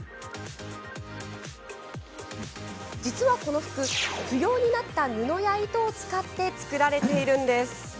実はこの服、不要になった布や糸を使って作られているんです。